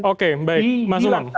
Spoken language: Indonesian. oke baik mas uman